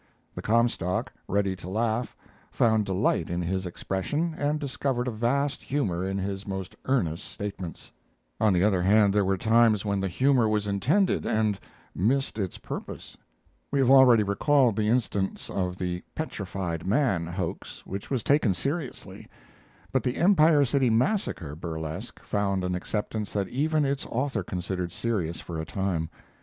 The Comstock, ready to laugh, found delight in his expression and discovered a vast humor in his most earnest statements. On the other hand, there were times when the humor was intended and missed its purpose. We have already recalled the instance of the "Petrified Man" hoax, which was taken seriously; but the "Empire City Massacre" burlesque found an acceptance that even its author considered serious for a time.